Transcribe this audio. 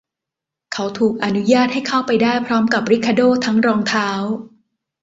เขาถูกอนุญาตให้เข้าไปได้พร้อมกับริคาโด้ทั้งรองเท้า